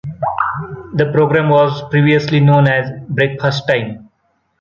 The programme was previously known as "Breakfast Time".